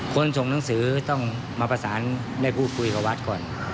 ส่งหนังสือต้องมาประสานได้พูดคุยกับวัดก่อน